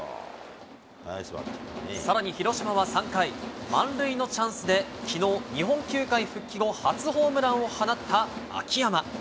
さらに広島は３回、満塁のチャンスで、きのう、日本球界復帰後、初ホームランを放った秋山。